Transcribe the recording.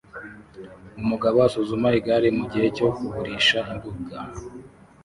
Umugabo asuzuma igare mugihe cyo kugurisha imbuga